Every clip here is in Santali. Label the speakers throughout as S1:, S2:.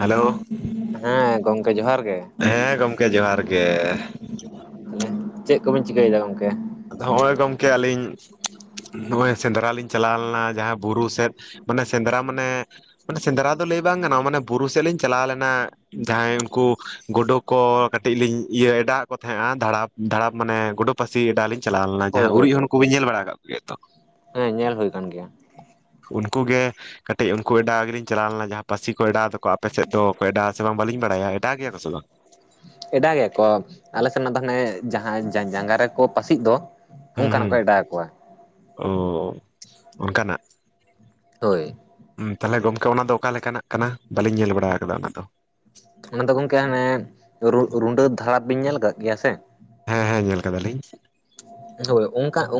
S1: ᱦᱮᱞᱳ
S2: ᱦᱮᱸ ᱜᱚᱝᱠᱮ ᱡᱚᱦᱟᱨ ᱜᱮ
S1: ᱦᱮᱸ ᱜᱚᱢᱠᱮ ᱡᱚᱦᱟᱨ ᱜᱮ
S2: ᱛᱟᱦᱮᱞᱮ ᱪᱮᱫ ᱠᱚᱵᱤᱱ ᱪᱤᱠᱟᱹᱭᱮᱫᱟ ᱜᱚᱝᱠᱮ
S1: ᱟᱫᱚ ᱦᱚᱸᱜᱼᱚᱭ ᱜᱚᱢᱠᱮ ᱟᱹᱞᱤᱧ ᱱᱚᱜᱼᱚᱭ ᱥᱮᱸᱫᱽᱨᱟ ᱞᱤᱧ ᱪᱟᱞᱟᱣ ᱞᱮᱱᱟ ᱡᱟᱦᱟᱸ ᱵᱩᱨᱩ ᱥᱮᱫ ᱢᱟᱱᱮ ᱥᱮᱸᱫᱽᱨᱟ ᱢᱟᱱᱮ ᱢᱟᱱᱮ ᱥᱮᱸᱫᱽᱨᱟ ᱫᱚ ᱞᱟᱹᱭ ᱵᱟᱝ ᱜᱟᱱᱚᱜ ᱢᱟᱱᱮ ᱵᱩᱨᱩ ᱥᱮᱫ ᱞᱤᱧ ᱪᱟᱞᱟᱣ ᱞᱮᱱᱟ ᱡᱟᱦᱟᱸᱭ ᱩᱱᱠᱩ ᱜᱩᱰᱩ ᱠᱚ ᱠᱟᱹᱴᱤᱡ ᱞᱤᱧ ᱤᱭᱟᱹ ᱮᱰᱟᱜ ᱟᱫ ᱠᱚ ᱛᱟᱦᱮᱸᱜᱼᱟ ᱫᱟᱲᱟᱵ ᱫᱟᱲᱟᱵ ᱢᱟᱱᱮ ᱜᱩᱰᱩ ᱯᱟᱹᱥᱤ ᱮᱰᱟᱜ ᱟᱞᱤᱧ ᱪᱟᱞᱟᱣ ᱞᱮᱱᱟ
S2: ᱦᱳᱭ
S1: ᱡᱟᱦᱟᱸ
S2: ᱦᱳᱭ
S1: ᱩᱨᱤᱡ
S2: ᱦᱳᱭ
S1: ᱦᱚᱱ ᱠᱚᱵᱮᱱ ᱧᱮᱞ ᱵᱟᱲᱟ ᱠᱫ ᱠᱚᱜᱮᱭᱟ ᱛᱚ
S2: ᱦᱮᱸ ᱧᱮᱞ ᱦᱩᱭ ᱟᱠᱟᱱ ᱜᱮᱭᱟ
S1: ᱩᱱᱠᱩ ᱜᱮ ᱠᱟᱹᱴᱤᱡ ᱩᱱᱠᱩ ᱮᱰᱟᱜ ᱤᱧ ᱪᱟᱞᱟᱣ ᱞᱮᱱᱟ ᱡᱟᱦᱟᱸ ᱯᱟᱹᱥᱤ ᱠᱚ ᱮᱰᱟᱣᱫᱟᱠᱚ ᱟᱯᱮᱥᱮᱫ ᱫᱚᱠᱚ ᱮᱰᱟᱣ ᱥᱮ ᱵᱟᱝ ᱵᱟᱞᱤᱧ ᱵᱟᱲᱟᱭᱟ ᱮᱰᱟᱜ ᱜᱮᱭᱟᱠᱚ ᱥᱮ ᱵᱟᱝ
S2: ᱮᱰᱟᱜ ᱜᱮᱭᱟᱠᱚ ᱟᱞᱮ ᱥᱮᱫᱱᱟᱜ ᱫᱚ ᱦᱟᱱᱮ ᱡᱟᱦᱟᱸ ᱡᱟᱸᱜᱟ ᱨᱮᱠᱚ ᱯᱟᱹᱥᱤᱜ ᱫᱚ
S1: ᱦᱩᱸ
S2: ᱚᱱᱠᱟᱱᱟᱜ ᱠᱚ
S1: ᱦᱩᱸ
S2: ᱮᱰᱟᱣ ᱟᱠᱚᱣᱟ
S1: ᱚ ᱚᱱᱠᱟᱱᱟᱜ
S2: ᱦᱳᱭ
S1: ᱛᱟᱦᱚᱞᱮ ᱜᱚᱝᱠᱮ ᱚᱱᱟ ᱫᱚ ᱚᱠᱟᱞ ᱞᱮᱠᱟᱱᱟᱜ ᱠᱟᱱᱟ ᱵᱟᱞᱤᱧ ᱧᱮᱞ ᱵᱟᱲᱟ ᱟᱠᱟᱫᱟ ᱚᱱᱟ ᱫᱚ
S2: ᱚᱱᱟ ᱫᱚ ᱜᱚᱢᱠᱮ ᱦᱟᱱᱮ ᱨᱩᱰᱟᱹ ᱫᱷᱟᱨᱟᱯ ᱵᱤᱱ ᱧᱮᱞ ᱟᱠᱟᱫ ᱜᱮᱭᱟ ᱥᱮ
S1: ᱦᱮᱸ ᱦᱮᱸ ᱧᱮᱞ ᱟᱠᱟᱫᱟᱞᱤᱧ
S2: ᱦᱳᱭ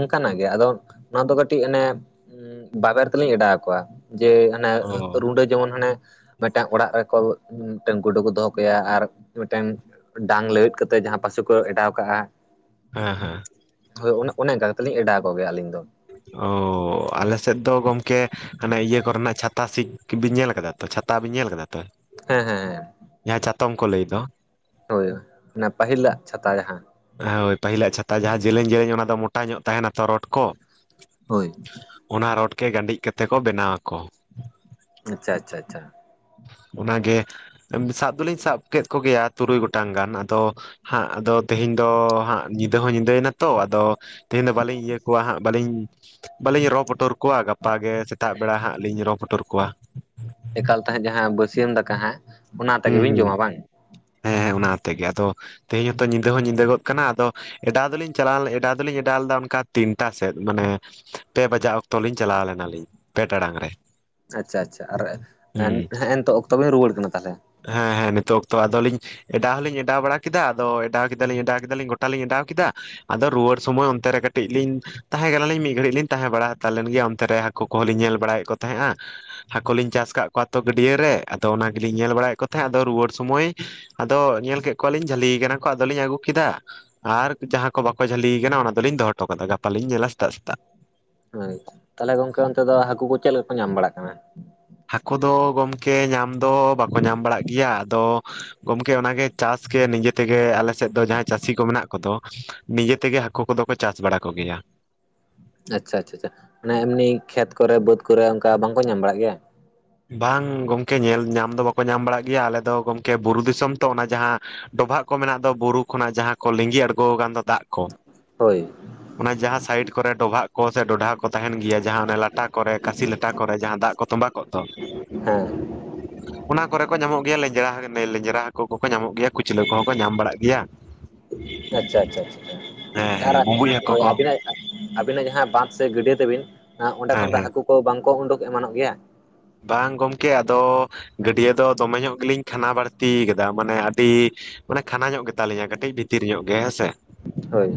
S2: ᱚᱱᱠᱟᱱᱟᱜ ᱜᱮ ᱟᱫᱚ ᱚᱱᱟ ᱫᱚ ᱠᱟᱹᱴᱤᱡ ᱚᱱᱮ ᱵᱟᱵᱮᱨ ᱛᱮᱞᱤᱧ ᱮᱰᱟᱣ ᱟᱠᱚᱣᱟ ᱡᱮ
S1: ᱚ
S2: ᱨᱩᱰᱟᱹ ᱡᱮᱢᱚᱱ ᱦᱟᱱᱮ ᱢᱤᱫᱴᱟᱝ ᱚᱲᱟᱜ ᱨᱮᱠᱚ ᱢᱤᱫᱴᱮᱱ ᱜᱩᱰᱩ ᱠᱚ ᱫᱚᱦᱚ ᱠᱟᱭᱟ ᱟᱨ ᱢᱤᱫᱴᱮᱱ ᱰᱟᱝ ᱞᱟᱹᱣᱮᱫ ᱠᱟᱛᱮᱜ ᱡᱟᱦᱟᱸ ᱯᱚᱥᱤ ᱠᱚ ᱮᱰᱟᱣ ᱠᱟᱜᱼᱟ
S1: ᱦᱮᱸ ᱦᱮᱸ
S2: ᱦᱳᱭ ᱚᱱ ᱚᱱᱮ ᱚᱱᱠᱟ ᱠᱟᱛᱮᱞᱤᱧ ᱚᱰᱟᱣ ᱟᱠᱚ ᱜᱮᱭᱟ ᱟᱹᱞᱤᱧ ᱫᱚ
S1: ᱚ ᱟᱞᱮ ᱥᱮᱫ ᱫᱚ ᱜᱚᱢᱠᱮ ᱟᱱᱮ ᱤᱭᱟᱹ ᱠᱚᱨᱮᱱᱟᱜ ᱪᱷᱟᱛᱟ ᱥᱤ ᱵᱤᱱ ᱧᱮᱞ ᱠᱟᱫᱟ ᱛᱚ ᱪᱷᱟᱛᱟ ᱵᱤᱱ ᱧᱮᱞ ᱠᱟᱫᱟ ᱛᱚ
S2: ᱦᱮᱸ ᱦᱮᱸ ᱦᱮᱸ
S1: ᱡᱟᱦᱟᱸ ᱪᱟᱛᱚᱢ ᱠᱚ ᱞᱟᱹᱭ ᱫᱚ
S2: ᱦᱳᱭ ᱚᱱᱟ ᱯᱟᱹᱦᱤᱞᱟᱜ ᱪᱷᱟᱛᱟ ᱡᱟᱦᱟᱸ
S1: ᱦᱳᱭ ᱯᱟᱹᱦᱤᱞᱟᱜ ᱪᱷᱟᱛᱟ ᱡᱟᱦᱟᱸ ᱡᱮᱞᱮᱧ ᱡᱮᱞᱮᱧ ᱚᱱᱟ ᱫᱚ ᱢᱳᱴᱟ ᱧᱚᱜ ᱛᱟᱦᱮᱱᱟ ᱛᱚ ᱨᱚᱰ ᱠᱚ
S2: ᱦᱳᱭ
S1: ᱚᱱᱟ ᱨᱚᱰ ᱜᱮ ᱠᱟᱹᱴᱤᱡ ᱠᱟᱛᱮ ᱠᱚ ᱵᱮᱱᱟᱣ ᱟᱠᱚ
S2: ᱟᱪᱪᱷᱟ ᱟᱪᱷᱟ ᱟᱪᱷᱟ
S1: ᱚᱱᱟᱜᱮ ᱥᱟᱵ ᱫᱚᱞᱤᱧ ᱥᱟᱵ ᱠᱮᱫ ᱠᱚᱜᱮᱭᱟ ᱛᱩᱨᱩᱭ ᱜᱚᱴᱟᱝ ᱜᱟᱱ ᱟᱫᱚ ᱦᱟᱸᱜ ᱟᱫᱚ ᱛᱮᱦᱤᱧ ᱫᱚ ᱦᱟᱸᱜ ᱧᱤᱫᱟᱹ ᱦᱚᱸ ᱧᱤᱫᱟᱹᱭ ᱱᱟᱛᱚ ᱟᱫᱚ ᱛᱮᱦᱮᱧ ᱫᱚ ᱵᱟᱹᱞᱤᱧ ᱤᱭᱟᱹ ᱠᱚᱣᱟ ᱦᱟᱸᱜ ᱵᱟᱹᱞᱤᱧ ᱵᱟᱹᱞᱤᱧ ᱨᱚ ᱯᱩᱴᱩᱨ ᱠᱚᱣᱟ ᱜᱟᱯᱟᱜ ᱜᱮ ᱥᱮᱛᱟᱜ ᱵᱮᱲᱟ ᱦᱟᱸᱜ ᱞᱤᱧ ᱨᱚ ᱯᱩᱴᱩᱨ ᱠᱚᱣᱟ
S2: ᱮᱠᱟᱞ ᱛᱟᱦᱮᱸᱫ ᱡᱟᱦᱟᱸ ᱵᱟᱹᱥᱭᱟᱹᱢ ᱫᱟᱠᱟ ᱦᱟᱸᱜ ᱚᱱᱟ ᱛᱮᱜᱮ
S1: ᱦᱩᱸ
S2: ᱵᱤᱱ
S1: ᱦᱩᱸ
S2: ᱡᱚᱢᱟ ᱵᱟᱝ
S1: ᱦᱮᱸ ᱚᱱᱟᱛᱮᱜᱮ ᱟᱫᱚ ᱛᱮᱦᱮᱧ ᱦᱚᱛᱚ ᱧᱤᱫᱟᱹ ᱦᱚᱸ ᱧᱤᱫᱟᱹ ᱜᱚᱫ ᱠᱟᱱᱟ ᱟᱫᱚ ᱮᱰᱟᱣ ᱫᱚᱞᱤᱧ ᱪᱟᱞᱟᱣ ᱞᱮ ᱮᱰᱟᱣ ᱫᱚᱞᱤᱧ ᱮᱰᱟᱣ ᱞᱮᱫᱟ ᱚᱱᱠᱟ ᱛᱤᱱᱴᱟ ᱥᱮᱫ ᱢᱟᱱᱮ ᱯᱮ ᱵᱟᱡᱟᱜ ᱚᱠᱛᱚ ᱞᱤᱧ ᱪᱟᱞᱟᱣ ᱞᱮᱱᱟᱞᱤᱧ ᱯᱮ ᱴᱟᱲᱟᱝ ᱨᱮ
S2: ᱟᱪᱪᱷᱟ ᱟᱪᱪᱷᱟ ᱟᱨ ᱦᱮᱸ
S1: ᱦᱩᱸ
S2: ᱱᱤᱛᱚᱜ ᱚᱠᱛᱚ ᱵᱤᱧ ᱨᱩᱣᱟᱹᱲ ᱠᱟᱱᱟ ᱛᱟᱦᱚᱞᱮ
S1: ᱦᱮᱸ ᱦᱮᱸ ᱱᱤᱛᱚᱜ ᱚᱠᱛᱚ ᱟᱫᱚ ᱞᱤᱧ ᱮᱰᱟᱣ ᱦᱚᱸᱞᱤᱧ ᱮᱰᱟᱣ ᱵᱟᱲᱟ ᱠᱮᱫᱟ ᱟᱫᱚ ᱮᱰᱟᱣ ᱠᱮᱫᱟᱞᱤᱧ ᱮᱰᱟᱣ ᱠᱮᱫᱟᱞᱤᱧ ᱜᱚᱴᱟᱞᱤᱧ ᱮᱰᱟᱣ ᱠᱮᱫᱟ ᱟᱫᱚ ᱨᱩᱣᱟᱹᱲ ᱥᱚᱢᱚᱭ ᱚᱱᱛᱮ ᱨᱮ ᱠᱟᱹᱴᱤᱡ ᱞᱤᱧ ᱛᱟᱦᱮᱸ ᱠᱟᱱᱟᱞᱤᱧ ᱢᱤᱫ ᱜᱷᱟᱹᱲᱤᱡ ᱞᱤᱧ ᱛᱟᱦᱮᱸ ᱵᱟᱲᱟ ᱦᱟᱲ ᱞᱮᱱ ᱜᱮᱭᱟ ᱚᱱᱛᱮ ᱨᱮ ᱦᱟᱹᱠᱩ ᱠᱚᱦᱚᱸ ᱞᱤᱧ ᱧᱮᱞ ᱵᱟᱲᱟᱭᱮᱫ ᱠᱚ ᱛᱟᱦᱮᱸᱜᱼᱟ ᱦᱟᱹᱠᱚ ᱞᱤᱧ ᱪᱟᱥ ᱟᱠᱟᱫ ᱠᱚᱣᱟ ᱛᱚ ᱜᱟᱹᱰᱭᱟᱹ ᱨᱮ ᱟᱫᱚ ᱚᱱᱟ ᱜᱮᱞᱤᱧ ᱧᱮᱞ ᱵᱟᱲᱟᱭᱮᱫ ᱠᱚ ᱛᱟᱦᱮᱸᱫ ᱟᱫᱚ ᱨᱩᱣᱟᱹᱲ ᱥᱩᱚᱢᱚᱭ ᱟᱫᱚ ᱧᱮᱞ ᱠᱚ ᱠᱚᱣᱟᱞᱤᱧ ᱡᱷᱟᱹᱞᱤ ᱠᱟᱱᱟ ᱠᱚ ᱟᱫᱚᱞᱤᱧ ᱟᱹᱜᱩ ᱠᱮᱫᱟ ᱟᱨ ᱡᱟᱦᱟᱸ ᱠᱚ ᱵᱟᱠᱚ ᱡᱷᱟᱹᱞᱤ ᱠᱟᱱᱟ ᱚᱱᱟ ᱫᱚᱞᱤᱧ ᱫᱚᱦᱚ ᱦᱚᱴᱚ ᱠᱟᱫᱟ ᱜᱟᱯᱟᱞᱤᱧ ᱧᱮᱞᱟ ᱥᱮᱛᱟᱜ ᱥᱮᱛᱟᱜ
S2: ᱦᱳᱭ ᱛᱟᱦᱞᱮ ᱜᱚᱝᱠᱮ ᱚᱱᱛᱮ ᱫᱚ ᱦᱟᱹᱠᱩ ᱠᱚ ᱪᱮᱫ ᱠᱚ ᱧᱟᱢ ᱵᱟᱲᱟᱜ ᱠᱟᱱᱟ
S1: ᱦᱟᱹᱠᱩ ᱫᱚ ᱜᱚᱢᱠᱮ ᱧᱟᱢ ᱫᱚ ᱵᱟᱠᱚ ᱧᱟᱢ ᱵᱟᱲᱟᱜ ᱜᱮᱭᱟ ᱟᱫᱚ ᱜᱚᱢᱠᱮ ᱚᱱᱟᱜᱮ ᱪᱟᱥ ᱜᱮ ᱱᱤᱡᱮ ᱛᱮᱜᱮ ᱟᱞᱮ ᱥᱮᱫ ᱫᱚ ᱡᱟᱦᱟᱸᱭ ᱪᱟᱹᱥᱤ ᱠᱚ ᱢᱮᱱᱟᱜ ᱠᱚᱫᱚ ᱱᱤᱡᱮᱛᱮᱜᱮ ᱦᱟᱹᱠᱩ ᱠᱚᱫᱚ ᱠᱚ ᱪᱟᱥ ᱵᱟᱲᱟ ᱠᱚᱜᱮᱭᱟ
S2: ᱟᱪᱪᱷᱟ ᱟᱪᱪᱷᱟ ᱢᱟᱱᱮ ᱮᱢᱱᱤ ᱠᱷᱮᱛ ᱠᱚᱨᱮ ᱵᱟᱹᱫᱽ ᱠᱚᱨᱮ ᱚᱱᱠᱟ ᱵᱟᱝᱠᱚ ᱧᱟᱢ ᱵᱟᱲᱟᱜ ᱜᱮᱭᱟ
S1: ᱵᱟᱝ ᱜᱚᱝᱠᱮ ᱧᱮᱞ ᱧᱟᱢ ᱫᱚ ᱵᱟᱠᱚ ᱧᱟᱢ ᱵᱟᱲᱟᱜ ᱜᱮᱭᱟ ᱟᱞᱮ ᱫᱚ ᱜᱚᱢᱠᱮ ᱵᱩᱨᱩ ᱫᱤᱥᱚᱢ ᱛᱚ ᱚᱱᱟ ᱡᱟᱦᱟᱸ ᱰᱚᱵᱷᱟᱜ ᱠᱚ ᱢᱮᱱᱟᱜ ᱫᱚ ᱵᱩᱨᱩ ᱠᱷᱚᱱᱟᱜ ᱡᱟᱦᱟᱸ ᱠᱚ ᱞᱤᱸᱜᱤ ᱟᱬᱜᱚ ᱟᱠᱟᱱ ᱫᱚ ᱫᱟᱜ ᱠᱚ
S2: ᱦᱳᱭ
S1: ᱚᱱᱟ ᱡᱟᱦᱟᱸ ᱥᱟᱭᱤᱰ ᱠᱚᱨᱮ ᱰᱚᱵᱷᱟᱜ ᱠᱚ ᱥᱮ ᱰᱚᱰᱷᱷᱟ ᱠᱚ ᱛᱟᱦᱮᱱ ᱜᱮᱭᱟ ᱡᱟᱦᱟᱸ ᱚᱱᱟ ᱞᱟᱴᱟ ᱠᱚᱨᱮ ᱠᱟᱥᱤ ᱞᱟᱴᱟ ᱠᱚ ᱠᱚᱨᱮ ᱡᱟᱦᱟᱸ ᱫᱟᱜ ᱠᱚ ᱛᱚᱸᱵᱟ ᱠᱚᱜ ᱫᱚ
S2: ᱦᱮᱸ
S1: ᱚᱱᱟ ᱠᱚᱨᱮ ᱠᱚ ᱧᱟᱢᱚᱜ ᱜᱮᱭᱟ ᱞᱮᱸᱧᱡᱨᱟ ᱞᱮᱸᱡᱨᱟ ᱦᱟᱹᱠᱩ ᱠᱚᱠᱚ ᱧᱟᱢᱚᱜ ᱜᱮᱭᱟ ᱠᱩᱪᱞᱟᱹ ᱠᱚᱦᱚᱸ ᱠᱚ ᱧᱟᱢ ᱵᱟᱲᱟᱜ ᱜᱮᱭᱟ
S2: ᱟᱪᱪᱷᱟ ᱟᱪᱪᱷᱟ ᱟᱪᱪᱷᱟ
S1: ᱦᱮᱸ ᱦᱮᱸ
S2: ᱟᱨᱟᱜ
S1: ᱵᱩᱸᱵᱩᱡ ᱦᱟᱹᱠᱩ ᱠᱚ
S2: ᱟᱵᱤᱱᱟᱜ ᱟᱵᱤᱱᱟᱜ ᱡᱟᱦᱟᱸ ᱵᱟᱸᱫᱷ ᱥᱮ ᱜᱟᱹᱰᱭᱟᱹ ᱛᱟᱹᱵᱤᱱ ᱚᱸᱰᱮ
S1: ᱦᱮᱸ
S2: ᱠᱷᱚᱱ ᱫᱚ
S1: ᱦᱮᱸ
S2: ᱦᱟᱹᱠᱩ ᱠᱚ ᱵᱟᱝᱠᱚ ᱩᱰᱩᱠ ᱮᱢᱟᱱᱚᱜ ᱜᱮᱭᱟ
S1: ᱵᱟᱝ ᱜᱚᱢᱠᱮ ᱟᱫᱚ ᱜᱟᱹᱰᱭᱟᱹ ᱫᱚ ᱫᱚᱢᱮ ᱧᱚᱜ ᱜᱮᱞᱤᱧ ᱠᱷᱟᱱᱟ ᱵᱟᱹᱲᱛᱤ ᱠᱟᱫᱟ ᱢᱟᱱᱮ ᱟᱹᱰᱤ ᱢᱟᱱᱮ ᱠᱷᱟᱱᱟ ᱧᱚᱜ ᱜᱮᱛᱟᱞᱤᱧᱟ ᱠᱟᱹᱴᱤᱡ ᱵᱷᱤᱛᱤᱨ ᱧᱚᱜ ᱜᱮ ᱦᱮᱸᱥᱮ
S2: ᱦᱳᱭ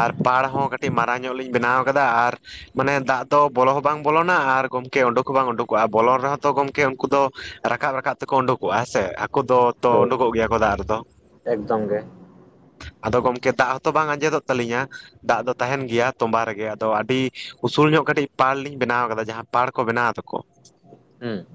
S1: ᱟᱨ ᱯᱟᱲ ᱦᱚᱸ ᱠᱟᱹᱴᱤᱡ ᱢᱟᱨᱟᱝ ᱧᱚᱜ ᱞᱤᱧ ᱵᱮᱱᱟᱣ ᱟᱠᱟᱫᱟ ᱟᱨ ᱢᱟᱱᱮ ᱫᱟᱜ ᱫᱚ ᱵᱚᱞᱚ ᱦᱚᱸ ᱵᱟᱝ ᱵᱚᱞᱚᱱᱟ ᱟᱨ ᱜᱚᱢᱠᱮ ᱩᱰᱩᱠ ᱦᱚᱸ ᱵᱟᱝ ᱩᱰᱩᱠᱚᱜᱼᱟ ᱵᱚᱞᱚᱱ ᱨᱮᱦᱚᱸ ᱛᱚ ᱜᱚᱢᱠᱮ ᱩᱱᱠᱩ ᱫᱚ ᱨᱟᱠᱟᱵ ᱨᱟᱠᱟᱵ ᱛᱮᱠᱚ ᱩᱰᱩᱠᱚᱜᱼᱟ ᱦᱮᱸ ᱥᱮ ᱦᱟᱹᱠᱩ ᱫᱚ ᱛᱚ
S2: ᱦᱳᱭ
S1: ᱩᱰᱩᱠᱚᱜ ᱜᱮᱭᱟ ᱠᱚ ᱫᱟᱜ ᱨᱮᱫᱚ
S2: ᱮᱠᱫᱚᱢ ᱜᱮ
S1: ᱟᱫᱚ ᱜᱚᱢᱠᱮ ᱫᱟᱜ ᱦᱚᱸᱛᱚ ᱵᱟᱝ ᱟᱸᱡᱮᱫᱚᱜ ᱛᱟᱹᱟᱞᱤᱧᱟ ᱫᱟᱜ ᱫᱚ ᱛᱟᱦᱮᱱ ᱜᱮᱭᱟ ᱛᱚᱸᱵᱟ ᱨᱮᱜᱮ ᱟᱫᱚ ᱟᱹᱰᱤ ᱩᱥᱩᱞ ᱧᱚᱜ ᱠᱟᱹᱴᱤᱡ ᱯᱟᱲ ᱞᱤᱧ ᱵᱮᱱᱟᱣ ᱠᱟᱫᱟ ᱡᱟᱦᱟᱸ ᱯᱟᱲ ᱠᱚ ᱵᱮᱱᱟᱣ ᱫᱚᱠᱚ
S2: ᱦᱩᱸ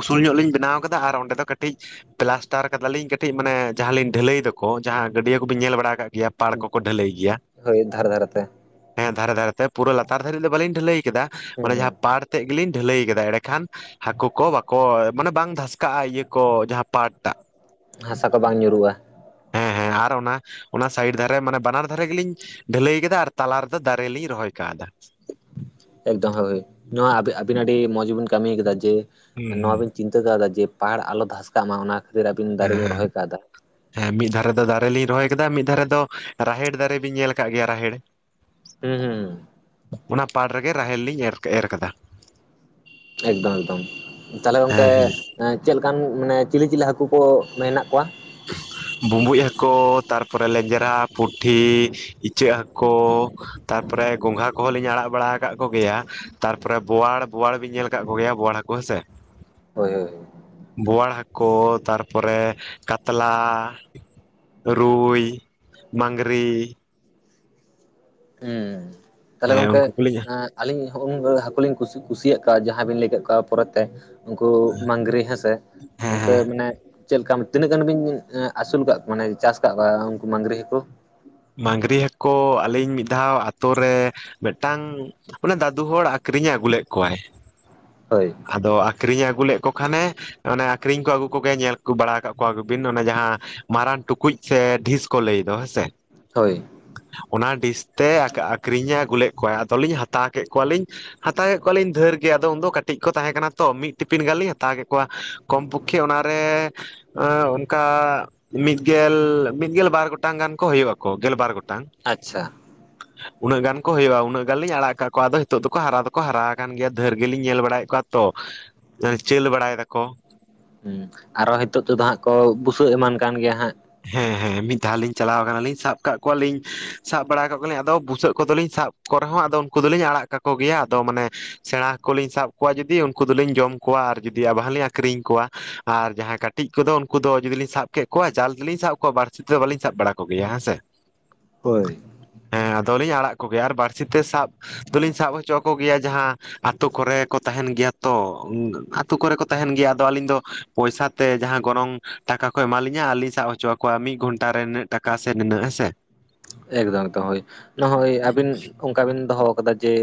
S1: ᱩᱥᱩᱞ ᱧᱚᱜ ᱞᱤᱧ ᱵᱮᱱᱟᱣ ᱟᱠᱟᱫᱟ ᱟᱨ ᱚᱸᱰᱮ ᱫᱚ ᱠᱟᱹᱴᱤᱡ ᱯᱞᱟᱥᱴᱟᱨ ᱠᱟᱫᱟᱞᱤᱧ ᱠᱟᱹᱴᱤᱡ ᱢᱟᱱᱮ ᱡᱟᱦᱟᱸᱞᱤᱧ ᱰᱷᱟᱹᱞᱟᱹᱭ ᱫᱚ ᱠᱚ ᱡᱟᱦᱟᱸ ᱜᱟᱹᱰᱭᱟᱹ ᱠᱚᱵᱤᱱ ᱧᱮᱞ ᱵᱟᱲᱟ ᱠᱟᱜ ᱜᱮᱭᱟ ᱯᱟᱲ ᱠᱚᱠᱚ ᱰᱷᱟᱹᱞᱟᱹᱭ ᱜᱮᱭᱟ
S2: ᱦᱳᱭ ᱫᱷᱟᱨᱮ ᱫᱷᱟᱨᱮᱛᱮ
S1: ᱦᱮᱸ ᱫᱷᱟᱨᱮ ᱫᱷᱟᱨᱮ ᱛᱮ ᱯᱩᱨᱟᱹ ᱞᱟᱛᱟᱨ ᱫᱷᱟᱨᱟᱹᱨᱤᱡ ᱫᱚ ᱵᱟᱞᱤᱧ ᱰᱷᱟᱹᱟᱹᱭ ᱠᱮᱫᱟ
S2: ᱦᱩᱸ
S1: ᱚᱱ
S2: ᱦᱩᱸ
S1: ᱡᱟᱦᱟᱸ ᱯᱟᱟᱲ ᱛᱮᱫᱜ ᱜᱮᱞᱤᱧ ᱰᱷᱟᱹᱞᱟᱹᱭ ᱠᱟᱫᱟ ᱠᱷᱟᱱ ᱦᱟᱹᱠᱩ ᱠᱚ ᱵᱟᱠᱚ ᱢᱟᱱᱮ ᱵᱟᱝ ᱫᱷᱟᱥᱠᱟᱜᱼᱟ ᱤᱭᱟᱹ ᱠᱚ ᱡᱟᱦᱟᱸ ᱯᱟᱨᱴᱟᱜ
S2: ᱦᱟᱥᱟ ᱠᱚ ᱵᱟᱝ ᱧᱩᱨᱩᱜᱼᱟ
S1: ᱦᱮᱸ ᱦᱮᱸ ᱟᱨ ᱚᱱᱟ ᱚᱱᱟ ᱥᱟᱭᱤᱰ ᱫᱷᱟᱨᱮ ᱢᱟᱱᱮ ᱵᱟᱱᱟᱨ ᱫᱷᱟᱨᱮ ᱜᱮᱞᱤᱧ ᱰᱷᱟᱹᱞᱟᱹᱭ ᱠᱮᱫᱟ ᱟᱨ ᱛᱟᱞᱟ ᱨᱮᱫᱚ ᱫᱟᱨᱮ ᱞᱤᱧ ᱨᱚᱦᱚᱭ ᱠᱟᱣᱫᱟ
S2: ᱮᱠᱫᱚᱢ ᱦᱳᱭ ᱱᱚᱣᱟ ᱟᱹᱵᱤᱱ ᱟᱹᱰᱤ ᱢᱚᱡᱽ ᱵᱤᱱ ᱠᱟᱹᱢᱤ ᱠᱟᱫᱟ ᱡᱮ
S1: ᱦᱩᱸ ᱦᱩᱸ
S2: ᱱᱚᱣᱟᱵᱤᱱ ᱪᱤᱱᱛᱟᱹ ᱠᱟᱣᱫᱟ ᱡᱮ ᱯᱟᱲ ᱟᱞᱚ ᱫᱷᱟᱥᱠᱟᱜ ᱢᱟ ᱚᱱᱟ ᱠᱷᱟᱹᱛᱤᱨ ᱟᱵᱤᱱ ᱫᱟᱨᱮ
S1: ᱦᱮᱸ
S2: ᱵᱤᱱ
S1: ᱦᱮᱸ
S2: ᱨᱚᱦᱚᱭ ᱠᱟᱣᱫᱟ
S1: ᱦᱮᱸ ᱢᱤᱫ ᱫᱷᱟᱨᱮ ᱫᱚ ᱫᱟᱨᱮ ᱞᱤᱧ ᱨᱚᱦᱚᱭ ᱠᱮᱫᱟ ᱢᱤᱫ ᱫᱷᱟᱨᱮ ᱫᱚ ᱨᱟᱦᱮᱲ ᱫᱟᱨᱮ ᱵᱤᱱ ᱧᱮᱞ ᱠᱟᱫ ᱜᱮᱭᱟ ᱨᱟᱦᱮᱲ
S2: ᱦᱩᱸ ᱦᱩᱸ ᱦᱩᱸ
S1: ᱚᱱᱟ ᱯᱟᱲ ᱨᱮᱜᱮ ᱨᱟᱦᱮᱞ ᱞᱤᱧ ᱮᱨ, ᱮᱨ ᱠᱟᱫᱟ
S2: ᱮᱠᱫᱚᱢ ᱮᱠᱫᱚᱢ ᱛᱟᱦᱚᱞᱮ ᱜᱚᱝᱠᱮ
S1: ᱦᱮᱸ
S2: ᱪᱮᱫ ᱞᱮᱠᱟᱱ ᱢᱟᱱᱮ ᱪᱤᱞᱤ ᱪᱤᱞᱤ ᱦᱟᱹᱠᱩ ᱠᱚ ᱢᱮᱱᱟᱜ ᱠᱚᱣᱟ
S1: ᱵᱩᱸᱵᱩᱡ ᱦᱟᱠᱳ ᱛᱟᱨᱯᱚᱨᱮ ᱞᱮᱸᱡᱽᱨᱟ ᱯᱩᱴᱷᱤ ᱤᱪᱟᱹᱜ ᱦᱟᱠᱳ ᱛᱟᱨᱯᱚᱨᱮ ᱜᱚᱝᱜᱷᱟ ᱠᱚᱦᱚᱸ ᱞᱤᱧ ᱟᱲᱟᱜ ᱵᱟᱲᱟ ᱠᱟᱫ ᱠᱚᱜᱮᱭᱟ ᱛᱟᱨᱯᱚᱨᱮ ᱵᱚᱣᱟᱲ ᱵᱚᱣᱟᱲ ᱵᱤᱱ ᱧᱮᱞ ᱠᱟᱫ ᱠᱚᱜᱮᱭᱟ ᱵᱚᱣᱟᱲ ᱦᱟᱠᱳ ᱦᱮᱸᱥᱮ
S2: ᱦᱳᱭ ᱦᱳᱭ
S1: ᱵᱚᱣᱟᱲ ᱦᱟᱠᱳ ᱛᱟᱨᱯᱚᱨᱮ ᱠᱟᱛᱞᱟ ᱨᱩᱭ ᱢᱟᱝᱜᱽᱨᱤ
S2: ᱦᱩᱸ ᱛᱟᱦᱚᱞᱮ
S1: ᱦᱮᱸ
S2: ᱜᱚᱝᱠᱮ
S1: ᱩᱱᱠᱩ ᱠᱚᱞᱤᱧ
S2: ᱟᱹᱞᱤᱧ [inaudible] ᱦᱟᱠᱳ ᱞᱤᱧ ᱠᱩᱥᱤᱭᱟᱜ ᱠᱚᱣᱟ ᱡᱟᱦᱟᱸᱭ ᱵᱤᱱ ᱞᱟᱹᱭ ᱠᱮᱫ ᱠᱚᱣᱟ ᱯᱚᱨᱮᱛᱮ ᱩᱱᱠᱩ ᱢᱟᱝᱜᱨᱤ ᱦᱮᱸᱥᱮ
S1: ᱦᱮᱸ
S2: ᱚᱱᱛᱮ
S1: ᱦᱮᱸ
S2: ᱢᱟᱱᱮ ᱪᱮᱫ ᱞᱮᱠᱟ ᱛᱤᱱᱟᱹᱜ ᱜᱟᱱ ᱵᱤᱱ ᱟᱹᱥᱩᱞ ᱠᱟᱫ ᱠᱚᱣᱟ ᱢᱟᱱᱮ ᱪᱟᱥ ᱠᱟᱫ ᱠᱚᱣᱟ ᱩᱱᱠᱩ ᱢᱟᱝᱜᱽᱨᱤ ᱦᱟᱠᱳ
S1: ᱢᱟᱜᱽᱨᱤ ᱦᱟᱠᱳ ᱟᱹᱞᱤᱧ ᱢᱤᱫ ᱫᱷᱟᱣ ᱟᱛᱳ ᱨᱮ ᱢᱤᱫᱴᱟᱝ ᱢᱟᱱᱮ ᱫᱟᱫᱩ ᱦᱚᱲ ᱟᱠᱷᱨᱤᱧᱮ ᱟᱹᱜᱩ ᱞᱮᱫ ᱠᱚᱣᱟᱭ
S2: ᱦᱳᱭ
S1: ᱟᱫᱚ ᱟᱠᱷᱨᱤᱧᱮ ᱟᱹᱜᱩ ᱞᱮᱫ ᱠᱚ ᱠᱷᱟᱱᱮ ᱚᱱᱮ ᱟᱠᱷᱨᱤᱧ ᱠᱚ ᱟᱹᱜᱩ ᱠᱚᱜᱮᱭᱟ ᱧᱮᱞ ᱠᱚ ᱵᱟᱲᱟ ᱠᱟᱫ ᱠᱚᱣᱟ ᱠᱚᱵᱤᱱ ᱚᱱᱮ ᱡᱟᱦᱟᱸ ᱢᱟᱨᱟᱝ ᱴᱩᱠᱩᱡ ᱥᱮ ᱰᱷᱤᱥ ᱠᱚ ᱞᱟᱹᱭ ᱫᱚ ᱦᱮᱸᱥᱮ
S2: ᱦᱳᱭ
S1: ᱚᱱᱟ ᱰᱤᱥ ᱛᱮ ᱟᱠᱷᱨᱤᱧᱮ ᱟᱹᱜᱩᱞᱮᱫ ᱠᱚᱣᱟᱭ ᱟᱫᱚᱞᱤᱧ ᱦᱟᱛᱟᱣ ᱠᱮᱫ ᱠᱚᱣᱟᱞᱤᱧ ᱦᱟᱛᱟᱣ ᱠᱮᱫ ᱠᱚᱣᱟᱞᱤᱧ ᱫᱷᱮᱨ ᱜᱮ ᱟᱫᱚ ᱩᱱ ᱫᱚ ᱠᱟᱹᱴᱤᱡ ᱠᱚ ᱛᱟᱦᱮᱸ ᱠᱟᱱᱟ ᱛᱚ ᱢᱤᱫ ᱴᱤᱯᱤᱱ ᱜᱟᱱ ᱞᱤᱧ ᱦᱟᱛᱟᱣ ᱠᱮᱫ ᱠᱚᱣᱟ ᱠᱚᱢ ᱯᱚᱠᱠᱷᱮ ᱚᱱᱟᱨᱮ ᱮ ᱚᱱᱠᱟ ᱢᱤᱫ ᱜᱮᱞ ᱢᱤᱫ ᱜᱮᱞ ᱵᱟᱨ ᱜᱚᱴᱟᱝ ᱜᱟᱱ ᱠᱚ ᱦᱳᱭᱳᱜ ᱟᱠᱚ ᱜᱮᱞ ᱵᱟᱨ ᱜᱚᱴᱟᱝ
S2: ᱟᱪᱪᱷᱟ
S1: ᱩᱱᱟᱹᱜ ᱜᱟᱱ ᱠᱚ ᱦᱳᱭᱳᱜ-ᱟ, ᱩᱱᱟᱹᱜ ᱜᱟᱱ ᱞᱤᱧ ᱟᱲᱟᱜ ᱠᱟᱜ ᱠᱚᱣᱟ ᱟᱫᱚ ᱦᱤᱛᱚᱜ ᱫᱚᱠᱚ ᱦᱟᱨᱟ ᱫᱚᱠᱚ ᱦᱟᱨᱟ ᱠᱟᱱ ᱜᱮᱭᱟ ᱫᱷᱟᱹᱨ ᱜᱮᱞᱤᱧ ᱧᱮᱞ ᱵᱟᱲᱟᱭᱮᱫ ᱠᱚᱣᱟ ᱛᱚ ᱪᱟᱹᱞ ᱵᱟᱲᱟᱭ ᱫᱟᱠᱚ
S2: ᱦᱩᱸ ᱟᱨᱚ ᱦᱤᱛᱚᱜ ᱛᱮᱫᱚ ᱦᱟᱸᱜ ᱠᱚ ᱵᱩᱥᱟᱹᱜ ᱮᱢᱟᱱ ᱠᱟᱱ ᱜᱮᱭᱟ ᱦᱟᱸᱜ
S1: ᱦᱮᱸ ᱦᱮᱸ ᱢᱤᱫ ᱫᱷᱟᱣ ᱞᱤᱧ ᱪᱟᱞᱟᱣ ᱠᱟᱱᱟᱞᱤᱧ ᱥᱟᱵ ᱠᱟᱜ ᱠᱚᱣᱟᱞᱤᱧ ᱥᱟᱵ ᱵᱟᱲᱟ ᱠᱟᱜ ᱠᱚᱣᱟᱞᱤᱧ ᱟᱫᱚ ᱵᱩᱥᱟᱹᱜ ᱠᱚᱫᱚᱞᱤᱧ ᱥᱟᱵ ᱠᱚ ᱨᱮᱦᱚᱸ ᱟᱫᱚ ᱩᱱᱠᱩ ᱫᱚᱞᱤᱧ ᱟᱲᱟᱜ ᱠᱟᱠᱚ ᱜᱮᱭᱟ ᱟᱫᱚ ᱢᱟᱱᱮ ᱥᱮᱬᱟ ᱦᱟᱠᱳ ᱞᱤᱧ ᱥᱟᱵ ᱠᱚᱣᱟ ᱡᱩᱫᱤ ᱩᱱᱠᱩ ᱫᱚᱞᱤᱧ ᱡᱚᱢ ᱠᱚᱣᱟ ᱟᱨ ᱡᱩᱫᱤ ᱟᱵᱟᱨ ᱞᱤᱧ ᱟᱠᱷᱨᱤᱧ ᱠᱚᱣᱟ ᱟᱨ ᱡᱟᱦᱟᱸᱭ ᱠᱟᱹᱴᱤᱡ ᱠᱚᱫᱚ ᱩᱱᱠᱩ ᱫᱚ ᱡᱩᱫᱤ ᱞᱤᱧ ᱥᱟᱵ ᱠᱮᱫ ᱠᱚᱣᱟ ᱡᱟᱞ ᱜᱮᱞᱤᱧ ᱥᱟᱵ ᱠᱚᱣᱟ ᱵᱟᱹᱲᱥᱤ ᱛᱮᱫᱚ ᱵᱟᱹᱞᱤᱧ ᱥᱟᱵ ᱵᱟᱲᱟ ᱠᱚᱜᱮᱭᱟ ᱦᱮᱸ ᱥᱮ
S2: ᱦᱳᱭ
S1: ᱦᱮᱸ ᱟᱫᱚᱞᱤᱧ ᱟᱲᱟᱜ ᱠᱚᱜᱮᱭᱟ ᱟᱨ ᱵᱟᱹᱲᱥᱤ ᱛᱮ ᱥᱟᱵ ᱫᱚᱞᱤᱧ ᱥᱟᱵ ᱦᱚᱪᱚ ᱠᱚᱜᱮᱭᱟ ᱡᱟᱦᱟᱸ ᱟᱛᱳ ᱠᱚᱨᱮ ᱠᱚ ᱛᱟᱦᱮᱱ ᱜᱮᱭᱟ ᱛᱚ ᱟᱛᱳ ᱠᱚᱨᱮ ᱠᱚ ᱛᱟᱦᱮᱱ ᱜᱮᱭᱟ ᱟᱫᱚ ᱟᱹᱞᱤᱧ ᱫᱚ ᱯᱚᱭᱥᱟ ᱛᱮ ᱡᱟᱦᱟᱸ ᱜᱚᱱᱚᱝ ᱴᱟᱠᱟ ᱠᱚ ᱮᱢᱟᱞᱤᱧᱟ ᱟᱨᱞᱤᱧ ᱥᱟᱵ ᱦᱚᱪᱚ ᱟᱠᱚᱣᱟ ᱢᱤᱫ ᱜᱷᱚᱱᱴᱟ ᱨᱮ ᱱᱤᱱᱟᱜ ᱴᱟᱠᱟ ᱥᱮ ᱱᱤᱱᱟᱹᱜ ᱦᱮᱸᱥᱮ
S2: ᱮᱠᱫᱚᱢ ᱮᱠᱫᱚᱢ ᱦᱳᱭ ᱱᱚᱜ-ᱚᱭ ᱟᱹᱵᱤᱱ ᱚᱱᱠᱟ ᱵᱤᱱ ᱫᱚᱦᱚ ᱠᱟᱫᱟ ᱡᱮ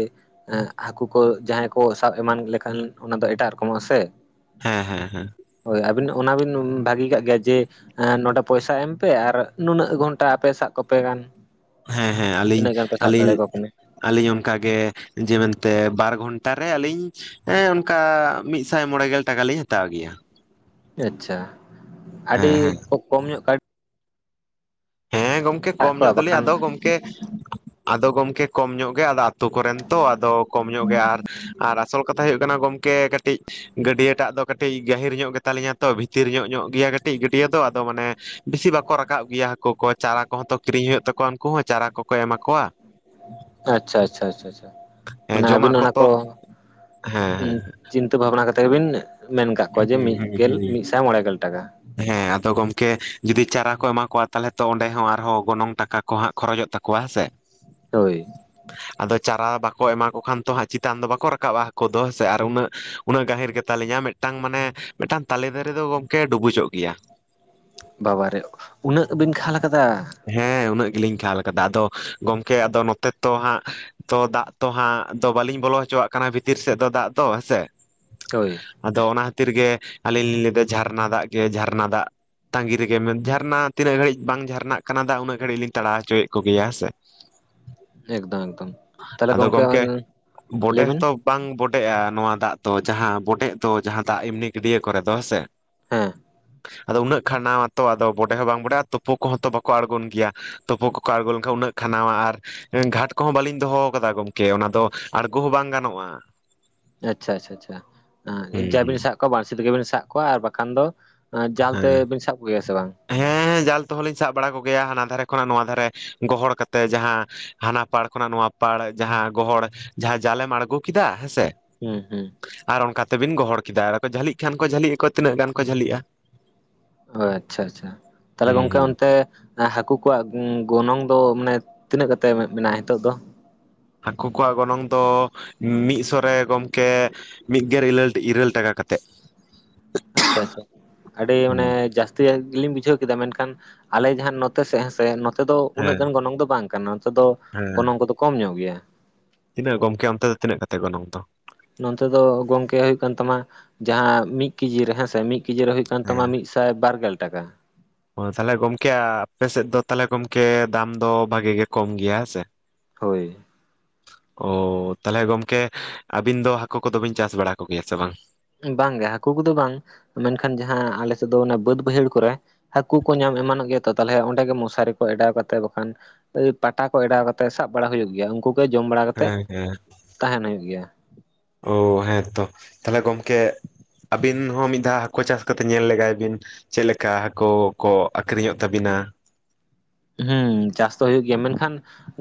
S2: ᱦᱟᱹᱠᱩ ᱠᱚ ᱡᱟᱦᱟᱸᱭ ᱠᱚ ᱥᱟᱵ ᱮᱢᱟᱱ ᱞᱮᱠᱷᱟᱱ ᱚᱱᱟ ᱫᱚ ᱮᱴᱟᱜ ᱨᱚᱠᱚᱢᱚᱜ-ᱟᱥᱮ
S1: ᱦᱮᱸ ᱦᱮᱸ ᱦᱮᱸ
S2: ᱦᱳᱭ ᱟᱹᱵᱤᱱ ᱚᱱᱟᱵᱤᱱ ᱵᱷᱟᱹᱜᱤ ᱠᱟᱜ ᱜᱮᱭᱟ ᱡᱮ ᱱᱚᱸᱰᱮ ᱯᱚᱭᱥᱟ ᱮᱢ ᱯᱮ ᱟᱨ ᱱᱩᱱᱟᱹᱜ ᱜᱷᱚᱱᱴᱟ ᱟᱯᱮ ᱥᱟᱵ ᱠᱚᱯᱮ ᱜᱟᱱ
S1: ᱦᱮᱸ ᱦᱮᱸ ᱟᱹᱞᱤᱧ
S2: ᱛᱤᱱᱟᱹᱜ ᱜᱟᱱ ᱯᱮ ᱥᱟᱵ
S1: ᱟᱹᱞᱤᱧ
S2: ᱫᱟᱲᱮᱭᱟᱠᱚ ᱠᱟᱱᱟ
S1: ᱟᱹᱞᱤᱧ ᱚᱱᱠᱟᱜᱮ ᱡᱮ ᱢᱮᱱᱛᱮ ᱵᱟᱨ ᱜᱷᱚᱱᱴᱟ ᱨᱮ ᱟᱹᱞᱤᱧ ᱦᱮᱸ ᱚᱱᱠᱟ ᱢᱤᱫᱥᱟᱭ ᱢᱚᱬᱮ ᱜᱮᱞ ᱴᱟᱠᱟ ᱞᱤᱧ ᱦᱟᱛᱟᱣ ᱜᱮᱭᱟ
S2: ᱟᱪᱪᱷᱟ ᱟᱰᱤ
S1: ᱦᱮᱸ ᱦᱮᱸ
S2: ᱠᱚᱢ ᱧᱚᱜ ᱠᱟᱣᱰᱤ
S1: ᱦᱮᱸ ᱜᱚᱝᱠᱮ
S2: ᱥᱟᱵ
S1: ᱠᱚᱢ
S2: ᱠᱚᱣᱟ
S1: ᱧᱚᱜ ᱫᱚᱞᱤᱧ
S2: ᱵᱟᱠᱷᱟᱱ
S1: ᱟᱫᱚ ᱜᱚᱢᱠᱮ ᱟᱫᱚ ᱜᱚᱝᱠᱮ ᱠᱚᱢ ᱧᱚᱜ ᱜᱮ ᱟᱫᱚ ᱟᱹᱛᱩ ᱠᱚᱨᱮᱱ ᱛᱚ ᱟᱫᱚ ᱠᱚᱢ ᱧᱚᱜ ᱜᱮ ᱟᱨ ᱟᱨ ᱟᱥᱚᱞ ᱠᱟᱛᱷᱟ ᱦᱩᱭᱩᱜ ᱠᱟᱱᱟ ᱜᱚᱝᱠᱮ ᱠᱟᱹᱴᱤᱡ ᱜᱟᱹᱰᱭᱟᱹ ᱴᱟᱜ ᱫᱚ ᱠᱟᱹᱴᱤᱡ ᱜᱟᱹᱦᱤᱨ ᱧᱚᱜ ᱜᱮᱛᱟ ᱞᱤᱧᱟ ᱛᱚ ᱵᱷᱤ ᱵᱷᱤᱛᱤᱨ ᱧᱚᱜ ᱧᱚᱜ ᱜᱮᱭᱟ ᱠᱟᱹᱴᱤᱡ ᱜᱟᱹᱰᱭᱟᱹ ᱫᱚ ᱟᱫᱚ ᱢᱟᱱᱮ ᱵᱤᱥᱤ ᱵᱟᱠᱚ ᱨᱟᱠᱟᱵ ᱜᱮᱭᱟ ᱦᱟᱠᱳ ᱠᱚ ᱪᱟᱨᱟ ᱠᱚᱦᱚ ᱛᱚ ᱠᱤᱨᱤᱧ ᱦᱩᱭᱩᱜ ᱛᱟᱠᱚᱣᱟ ᱩᱱᱠᱩ ᱦᱚ ᱪᱟᱨᱟ ᱠᱚᱠᱚ ᱮᱢᱟ ᱠᱚᱣᱟ
S2: ᱟᱪᱪᱷᱟ ᱟᱪᱷᱪᱟ ᱟᱪᱷᱟ ᱟᱪᱷᱟ
S1: ᱦᱮᱸ
S2: ᱢᱟᱱᱮ ᱟᱵᱤᱱ
S1: ᱡᱚᱢᱟᱜ
S2: ᱚᱱᱟ
S1: ᱠᱚᱛᱚ
S2: ᱠᱚ ᱪᱤᱱ
S1: ᱦᱮᱸ
S2: ᱪᱤᱱᱛᱟᱹ ᱵᱷᱟᱵᱽᱱᱟ ᱠᱟᱛᱮᱫ ᱜᱮᱵᱤᱱ ᱢᱮᱱ ᱟᱠᱟᱫ ᱠᱚᱣᱟ ᱡᱮ ᱢᱤᱫ ᱜᱮᱞ
S1: ᱦᱮᱸ
S2: ᱢᱤᱫ ᱥᱟᱭ ᱢᱚᱬᱮ ᱜᱮᱞ ᱴᱟᱠᱟ
S1: ᱦᱮᱸ ᱟᱫᱚ ᱜᱚᱝᱠᱮ ᱡᱩᱫᱤ ᱪᱟᱨᱟ ᱠᱚ ᱮᱢᱟ ᱠᱚᱣᱟ ᱛᱟᱦᱚᱞᱮ ᱛᱚ ᱚᱸᱰᱮ ᱦᱚ ᱟᱨᱦᱚ ᱜᱚᱱᱚᱝ ᱴᱟᱠᱟ ᱠᱚ ᱦᱟ ᱠᱷᱚᱨᱚᱪᱚᱜ ᱛᱟᱠᱚᱣᱟ ᱦᱮᱸ ᱥᱮ
S2: ᱦᱳᱭ
S1: ᱟᱫᱚ ᱪᱟᱨᱟ ᱵᱟᱠᱚ ᱮᱢᱟ ᱠᱚ ᱠᱷᱟᱱ ᱛᱚᱦᱟᱜ ᱪᱮᱛᱟᱱ ᱫᱚ ᱵᱟᱠᱚ ᱨᱟᱠᱟᱵ-ᱟ ᱦᱟᱠᱩ ᱫᱚ ᱦᱮᱥᱮ ᱟᱨ ᱩᱱᱟᱹᱜ ᱩᱱᱟᱹᱜ ᱜᱟᱹᱦᱤᱨ ᱜᱮᱛᱟᱞᱤᱧᱟ ᱢᱮᱫ ᱢᱮᱫᱴᱟᱝ ᱢᱟᱱᱮ ᱢᱮᱫᱴᱟᱝ ᱛᱟᱞᱮ ᱫᱟᱨᱮ ᱫᱚ ᱜᱚᱝᱠᱮ ᱰᱩᱵᱩᱡᱚᱜ ᱜᱮᱭᱟ
S2: ᱵᱟᱵᱟᱨᱮ ᱩᱱᱟᱹᱜ ᱵᱤᱱ ᱠᱷᱟᱞ ᱠᱟᱫᱟ
S1: ᱦᱮᱸ ᱩᱱᱟᱹᱜ ᱜᱤᱞᱤᱧ ᱠᱷᱟᱞ ᱠᱟᱫᱟ ᱟᱫᱚ ᱜᱚᱝᱠᱮ ᱟᱫᱚ ᱱᱚᱛᱮ ᱛᱚ ᱦᱟᱸᱜ ᱛᱚ ᱫᱟᱜ ᱛᱚ ᱦᱟᱜ ᱫᱚ ᱵᱟᱞᱤᱧ ᱵᱚᱞᱚ ᱦᱚᱪᱚᱣᱟᱜ ᱠᱟᱱᱟ ᱵᱷᱤᱛᱤᱨ ᱥᱮᱫ ᱫᱚ ᱫᱟᱜ ᱫᱚ ᱦᱮᱸᱥᱮ
S2: ᱦᱳᱭ
S1: ᱟᱫᱚ ᱚᱱᱟ ᱠᱷᱟᱛᱤᱨ ᱜᱮ ᱟᱞᱤᱧ ᱞᱤᱧ ᱞᱟᱹᱭᱫᱟ ᱡᱷᱟᱨᱱᱟ ᱫᱟᱜ ᱜᱮ ᱡᱷᱟᱨᱱᱟ ᱫᱟᱜ ᱛᱟᱸᱜᱤ ᱨᱮᱜᱮ ᱢᱮᱱ ᱡᱷᱟᱨᱱᱟ ᱛᱤᱱᱟᱹᱜ ᱜᱷᱟᱹᱲᱤᱡ ᱵᱟᱝ ᱡᱷᱟᱨᱱᱟᱜ ᱠᱟᱱᱟ ᱫᱟᱜ ᱩᱱᱟᱹᱜ ᱜᱷᱟᱹᱲᱤᱡ ᱞᱤᱧ ᱛᱟᱲᱟᱣ ᱦᱚᱪᱚᱭᱮᱫ ᱠᱚᱜᱮᱭᱟ ᱦᱮᱸ ᱥᱮ
S2: ᱮᱠᱫᱚᱢ ᱮᱠᱫᱚᱢ ᱛᱟᱦᱞᱮ
S1: ᱟᱫᱚ
S2: ᱜᱚᱝᱠᱮ
S1: ᱜᱚᱢᱠᱮ ᱵᱚᱰᱮ
S2: ᱞᱟᱹᱭ ᱵᱤᱱ
S1: ᱦᱚᱸᱛᱚ ᱵᱟᱝ ᱵᱚᱰᱮᱜᱼᱟ ᱱᱚᱣᱟ ᱫᱟᱜ ᱫᱚ ᱡᱟᱦᱟᱸ ᱵᱚᱰᱮᱜ ᱫᱚ ᱡᱟᱦᱟᱸ ᱫᱟᱜ ᱮᱢᱱᱤ ᱜᱟᱹᱰᱭᱟᱹ ᱠᱚᱨᱮ ᱫᱚ ᱦᱮᱸ ᱥᱮ
S2: ᱦᱮᱸ
S1: ᱟᱫᱚ ᱩᱱᱟᱹᱜ ᱠᱷᱟᱱ ᱱᱚᱣᱟᱛᱚ ᱟᱫᱚ ᱵᱚᱰᱮ ᱦᱚ ᱵᱟᱝ ᱵᱚᱰᱮᱼᱟ ᱛᱩᱯᱩ ᱠᱚᱦᱚ ᱛᱚ ᱵᱟᱠᱚ ᱠᱚ ᱟᱬᱜᱚᱱ ᱜᱮᱭᱟ ᱛᱩᱯᱩ ᱠᱚᱠᱚ ᱟᱬᱜᱚ ᱞᱮᱱᱠᱷᱟᱱ ᱩᱱᱟᱹᱜ ᱠᱷᱟᱱᱟᱣᱟ ᱟᱨ ᱜᱷᱟᱴ ᱠᱚᱦᱚ ᱵᱟᱞᱤᱧ ᱫᱚᱦᱚᱣ ᱠᱟᱫᱟ ᱜᱚᱝᱠᱮ ᱚᱱᱟ ᱫᱚ ᱟᱬᱜᱚ ᱦᱚᱸ ᱵᱟᱝ ᱜᱟᱱᱚᱜᱼᱟ
S2: ᱟᱪᱪᱷᱟ ᱟᱪᱪᱷᱟ ᱟᱪᱪᱷᱟ
S1: ᱦᱩᱸ
S2: ᱡᱟ ᱵᱤᱱ
S1: ᱦᱩᱸ
S2: ᱥᱟᱵ ᱠᱚᱣᱟ ᱵᱟᱬᱥᱤ ᱛᱮᱜᱮ ᱵᱤᱱ ᱥᱟᱵ ᱠᱚᱣᱟ ᱟᱨ ᱵᱟᱠᱷᱟᱱ ᱫᱚ ᱡᱟᱞ ᱛᱮ ᱵᱤᱱ ᱥᱟᱵ ᱠᱚᱜᱮᱭᱟ ᱥᱮ ᱵᱟᱝ
S1: ᱦᱮᱸ ᱦᱮᱸ ᱡᱟᱞ ᱛᱮᱦᱚ ᱞᱤᱧ ᱥᱟᱵ ᱵᱟᱲᱟ ᱠᱚᱜᱮᱭᱟ ᱦᱟᱱᱟ ᱫᱷᱟᱨᱮ ᱠᱷᱚᱱᱟᱜ ᱱᱚᱣᱟ ᱫᱷᱟᱨᱮ ᱜᱚᱦᱚᱲ ᱠᱟᱛᱮ ᱡᱟᱦᱟ ᱦᱟᱱᱟ ᱯᱟᱲ ᱠᱷᱚᱱᱟᱜ ᱱᱚᱣᱟ ᱯᱟᱲ ᱡᱟᱦᱟᱸ ᱜᱚᱦᱚᱲ ᱡᱟᱸᱦᱟ ᱡᱟᱞᱮᱢ ᱟᱬᱜᱚ ᱠᱮᱫᱟ ᱦᱮᱸᱥᱮ
S2: ᱦᱮᱸ ᱦᱮᱸ
S1: ᱟᱨ ᱚᱱᱠᱟ ᱛᱮᱵᱤᱱ ᱜᱚᱦᱚᱲ ᱠᱮᱫᱟ ᱟᱫᱚᱠᱚ ᱡᱷᱟᱹᱞᱤᱜ ᱠᱷᱟᱱ ᱠᱚ ᱡᱷᱟᱹᱞᱤᱜ ᱟᱠᱚ ᱛᱤᱱᱟᱹᱜ ᱜᱟᱱ ᱠᱚ ᱡᱷᱟᱹᱞᱤᱜᱼᱟ
S2: ᱚ ᱟᱪᱪᱷᱟ ᱟᱪᱪᱷᱟ ᱛᱟᱦᱞᱮ
S1: ᱦᱩᱸ
S2: ᱜᱚᱝᱠᱮ
S1: ᱦᱩᱸ
S2: ᱚᱱᱛᱮ ᱦᱟᱠᱩ ᱠᱚᱣᱟᱜ ᱜᱚᱱᱚᱝ ᱫᱚ ᱢᱟᱱᱮ ᱛᱤᱱᱟᱹᱜ ᱠᱟᱛᱮ ᱢᱮᱱᱟᱜᱼᱟ ᱱᱤᱛᱚᱜ ᱫᱚ
S1: ᱦᱟᱠᱩ ᱠᱚᱣᱟᱜ ᱜᱚᱱᱚᱝ ᱫᱚ ᱢᱤᱫ ᱥᱚ ᱨᱮ ᱜᱚᱝᱠᱮ ᱢᱤᱫᱜᱮᱞ ᱤᱞᱟᱹᱨ ᱤᱨᱟᱹᱞ ᱴᱟᱠᱟ ᱠᱟᱛᱮᱫ
S2: ᱟᱪᱪᱷᱟ ᱟᱪᱪᱷᱟ ᱟᱹᱰᱤ ᱢᱟᱱᱮ
S1: ᱦᱩᱸ
S2: ᱡᱟᱥᱛᱤ ᱡᱟᱥᱛᱤ ᱭᱟ ᱜᱤᱞᱤᱧ ᱵᱩᱡᱷᱟᱹᱣ ᱠᱮᱫᱟ ᱢᱮᱱᱠᱷᱟᱱ ᱟᱞᱮ ᱡᱟᱦᱟ ᱱᱚᱛᱮ ᱥᱮᱫ ᱦᱮᱸ ᱥᱮ ᱱᱚᱛᱮ ᱫᱚ ᱩᱱᱟᱹᱜ
S1: ᱦᱮᱸ
S2: ᱜᱟᱱ ᱜᱚᱱᱚᱝ ᱫᱚ ᱵᱟᱝ ᱠᱟᱱᱟ ᱱᱚᱛᱮ ᱫᱚ
S1: ᱦᱮᱸ
S2: ᱜᱚᱱᱚᱝ ᱠᱚᱫᱚ ᱠᱚᱢ ᱧᱚᱜ ᱜᱮᱭᱟ
S1: ᱛᱤᱱᱟᱹᱜ ᱜᱚᱝᱠᱮ ᱟᱱᱛᱮ ᱫᱚ ᱛᱤᱱᱟᱹᱜ ᱠᱟᱛᱮᱫ ᱜᱚᱱᱚᱝ ᱫᱚ
S2: ᱱᱚᱱᱛᱮ ᱫᱚ ᱜᱚᱝᱠᱮ ᱦᱩᱭᱩᱜ ᱠᱟᱱ ᱛᱟᱢᱟ ᱡᱟᱦᱟᱸ ᱢᱤᱫ ᱠᱤᱡᱤ ᱨᱮ ᱦᱮᱸᱥᱮ ᱢᱤᱫ ᱠᱮᱡᱤ ᱨᱮ ᱦᱩᱭᱩ ᱠᱟᱱ ᱛᱟᱢᱟ ᱢᱤᱫ ᱥᱟᱭ ᱵᱟᱨᱜᱮᱞ ᱴᱟᱠᱟ
S1: ᱚᱦ ᱛᱟᱦᱞᱮ ᱜᱚᱝᱠᱮ ᱟᱯᱮ ᱥᱮᱫ ᱫᱚ ᱛᱟᱦᱞᱮ ᱜᱚᱢᱠᱮ ᱫᱟᱢ ᱫᱚ ᱵᱷᱟᱜᱤ ᱜᱮ ᱠᱚᱢ ᱜᱮᱭᱟ ᱦᱮᱸ ᱥᱮ
S2: ᱦᱳᱭ
S1: ᱚᱻ ᱛᱟᱦᱞᱮ ᱜᱚᱢᱠᱮ ᱟᱵᱤᱱ ᱫᱚ ᱦᱟᱠᱩ ᱠᱚᱫᱚ ᱵᱤᱱ ᱪᱟᱥ ᱵᱟᱲᱟ ᱠᱚᱜᱮᱭᱟ ᱥᱮ ᱵᱟᱝ
S2: ᱵᱟᱝᱜᱮ ᱦᱟᱠᱩ ᱠᱚᱫᱚ ᱵᱟᱝ ᱢᱮᱱᱠᱷᱟᱱ ᱡᱟᱦᱟᱸ ᱟᱞᱮᱥᱮᱫ ᱫᱚ ᱚᱱᱟ ᱵᱟᱹᱫ ᱵᱟᱹᱭᱦᱟᱹᱲ ᱠᱚᱨᱮ ᱦᱟᱠᱩ ᱠᱚ ᱧᱟᱢ ᱮᱢᱟᱱᱚᱜ ᱜᱮᱭᱟ ᱛᱚ ᱛᱟᱦᱞᱮ ᱚᱸᱰᱮ ᱜᱮ ᱢᱚᱥᱟᱨᱤ ᱠᱚ ᱮᱰᱟᱣ ᱠᱟᱛᱮ ᱵᱟᱠᱷᱟᱱ ᱯᱟᱴᱟ ᱠᱚ ᱮᱰᱟᱣ ᱠᱟᱛᱮ ᱥᱟᱵ ᱵᱟᱲᱟ ᱦᱩᱭᱩᱜ ᱜᱮᱭᱟ ᱩᱱᱠᱩ ᱠᱚ ᱡᱚᱢ ᱵᱟᱲᱟ ᱠᱟᱛᱮᱜ
S1: ᱦᱮᱸ ᱦᱮᱸ
S2: ᱛᱟᱦᱮᱱ ᱦᱩᱭᱩᱜ ᱜᱮᱭᱟ
S1: ᱳᱻ ᱦᱮᱸᱛᱚ ᱛᱟᱦᱞᱮ ᱜᱚᱝᱠᱮ ᱟᱵᱤᱱ ᱦᱚᱸ ᱢᱤᱫ ᱫᱷᱟᱣ ᱦᱟᱹᱠᱩ ᱪᱟᱥ ᱠᱟᱛᱮ ᱧᱮᱞ ᱞᱮᱜᱟᱭ ᱵᱤᱱ ᱪᱮᱫ ᱞᱮᱠᱟ ᱦᱟᱹᱠᱩ ᱠᱚ ᱟᱹᱠᱷᱨᱤᱧᱚᱜ ᱛᱟᱹᱵᱤᱱᱟ
S2: ᱦᱮᱸ ᱪᱟᱥ ᱫᱚ ᱦᱩᱭᱩᱜ ᱜᱮᱭᱟ ᱢᱮᱱᱠᱷᱟᱱ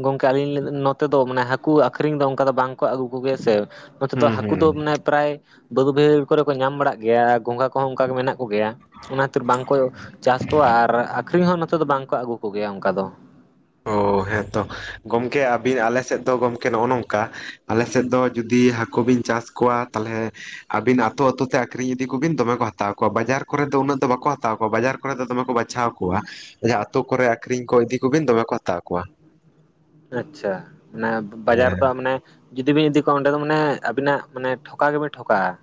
S2: ᱜᱚᱝᱠᱮ ᱟᱹᱞᱤᱧ ᱱᱚᱛᱮ ᱫᱚ ᱢᱟᱱᱮ ᱦᱟᱹᱠᱩ ᱟᱹᱠᱷᱨᱤᱧ ᱫᱚ ᱚᱱᱠᱟ ᱫᱚ ᱵᱟᱝᱠᱚ ᱟᱹᱜᱩ ᱠᱚᱜᱮᱭᱟ ᱥᱮ ᱱᱚᱛᱮ ᱫᱚ
S1: ᱦᱩᱸ
S2: ᱦᱟᱹᱠᱩ
S1: ᱦᱩᱸ
S2: ᱫᱚ ᱢᱟᱱᱮ ᱯᱨᱟᱭ ᱵᱟᱹᱫᱽ ᱵᱟᱹᱭᱦᱟᱹᱲ ᱠᱚᱨᱮ ᱠᱚ ᱧᱟᱢ ᱵᱟᱲᱟᱜ ᱜᱮᱭᱟ ᱟᱨ ᱜᱚᱝᱜᱷᱟ ᱠᱚᱸᱦᱚ ᱚᱱᱠᱟ ᱜᱮ ᱢᱮᱱᱟᱜ ᱠᱚᱜᱮᱭᱟ ᱚᱱᱟ ᱠᱷᱟᱹᱛᱤᱨ ᱵᱟᱝᱠᱚ ᱪᱟᱥ ᱠᱚᱣᱟ ᱟᱨ ᱟᱹᱠᱷᱨᱤᱧ ᱦᱚᱸ ᱱᱚᱛᱮ ᱫᱚ ᱵᱟᱝᱠᱚ ᱟᱹᱜᱩ ᱠᱚᱜᱮᱭᱟ ᱚᱱᱠᱟ ᱫᱚ [inaudible]
S1: ᱦᱮᱸ ᱛᱚ ᱜᱚᱢᱠᱮ ᱟᱹᱵᱤᱱ ᱟᱞᱮ ᱥᱮᱫ ᱫᱚ ᱜᱚᱢᱠᱮ ᱱᱚᱜᱼᱚ ᱱᱚᱝᱠᱟ ᱟᱞᱮ ᱥᱮᱫ ᱫᱚ ᱡᱩᱫᱤ ᱦᱟᱹᱠᱩ ᱵᱤᱱ ᱪᱟᱥ ᱠᱚᱣᱟ ᱛᱟᱦᱚᱞᱮ ᱟᱹᱵᱤᱱ ᱟᱹᱛᱩ ᱟᱹᱛᱩ ᱛᱮ ᱟᱹᱠᱷᱨᱤᱧ ᱤᱫᱤ ᱠᱚᱵᱤᱱ ᱫᱚᱢᱮ ᱠᱚ ᱦᱟᱛᱟᱣ ᱠᱚᱣᱟ ᱵᱟᱡᱟᱨ ᱠᱚᱨᱮ ᱫᱚ ᱩᱱᱟᱹᱜ ᱫᱚ ᱵᱟᱠᱚ ᱦᱟᱛᱟᱣ ᱠᱚᱣᱟ ᱵᱟᱡᱟᱨ ᱚᱸᱰᱮ ᱫᱚ ᱫᱚᱢᱮ ᱠᱚ ᱵᱟᱪᱷᱟᱣ ᱠᱚᱣᱟ ᱡᱟᱦᱟᱸ ᱟᱹᱛᱩ ᱠᱚᱨᱮ ᱟᱹᱠᱷᱨᱤᱧ ᱠᱚ ᱤᱫᱤ ᱠᱚᱵᱤᱱ ᱫᱚᱢᱮ ᱠᱚ ᱦᱟᱛᱟᱣ ᱠᱚᱣᱟ
S2: ᱟᱪᱪᱷᱟ ᱢᱟᱱᱮ ᱵᱟᱡᱟᱨ
S1: ᱦᱮᱸ
S2: ᱫᱚ ᱢᱟᱱᱮ ᱡᱩᱫᱤ ᱵᱤᱱ ᱤᱫᱤ ᱠᱚᱣᱟ ᱚᱸᱰᱮ ᱫᱚ ᱢᱟᱱᱮ ᱟᱹᱵᱤᱱᱟᱜ ᱢᱟᱱᱮ ᱴᱷᱚᱠᱟ ᱜᱮᱵᱤᱱ ᱴᱷᱚᱠᱟᱜᱼᱟ